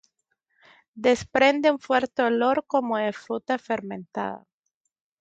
Desprende un fuerte olor como de fruta fermentada.